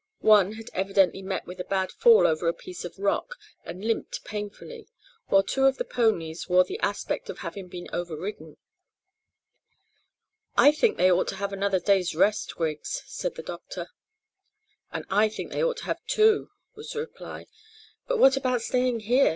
One had evidently met with a bad fall over a piece of rock, and limped painfully, while two of the ponies wore the aspect of having been over ridden. "I think they ought to have another day's rest, Griggs," said the doctor. "And I think they ought to have two," was the reply; "but what about staying here?